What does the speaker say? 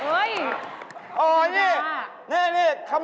อืม